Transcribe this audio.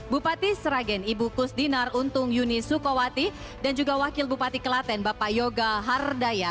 bupati sragen ibu kusdinar untung yuni sukawati dan juga wakil bupati kelaten bapak yoga hardaya